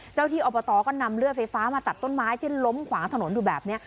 เจ้าที่อบตก็นำเลือดไฟฟ้ามาตัดต้นไม้ที่ล้มขวางถนนอยู่แบบนี้